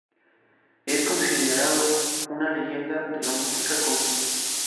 Es considerado una leyenda de la música country.